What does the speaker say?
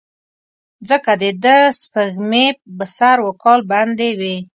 ځکه دده سپېږمې به سر وکال بندې وې.